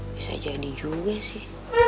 bisa jadi juga sih